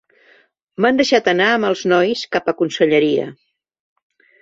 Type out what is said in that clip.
“M'han deixat anar amb els nois, cap a Conselleria.